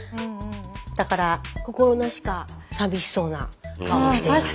だから心なしか寂しそうな顔をしています。